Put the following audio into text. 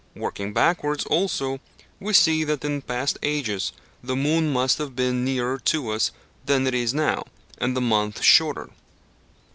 Working backwards also, we see that in past ages the moon must have been nearer to us than it is now, and the month shorter.